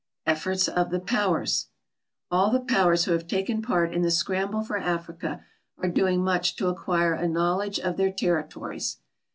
EFFORTS OF THE POWERS All the powers who have taken part in the scramble for Africa are doing much to acquire a knowledge of their territories.